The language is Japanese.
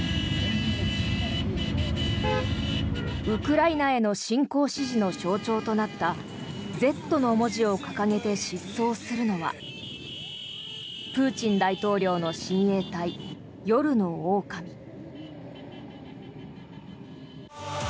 ウクライナへの侵攻支持の象徴となった「Ｚ」の文字を掲げて疾走するのはプーチン大統領の親衛隊夜のオオカミ。